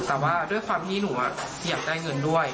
แต่ว่าด้วยความที่หนูอยากได้เงินด้วย